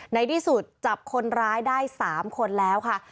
ในที่สุดจับคนร้ายได้๓คนแล้วค่ะ